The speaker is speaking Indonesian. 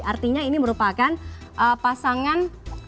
artinya ini merupakan pasangan